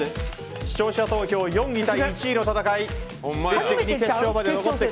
視聴者投票４位対１位の戦い。